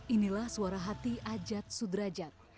inilah suara hati ajat sudrajat